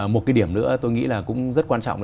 một cái điểm nữa tôi nghĩ là cũng rất quan trọng